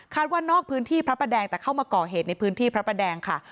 ว่านอกพื้นที่พระประแดงแต่เข้ามาก่อเหตุในพื้นที่พระประแดงค่ะ